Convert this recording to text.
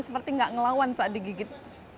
seperti nggak ngelawan saat digigit